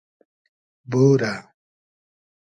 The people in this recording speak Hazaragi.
بورۂ